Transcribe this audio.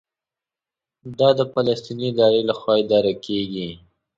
دا د فلسطیني ادارې لخوا اداره کېږي.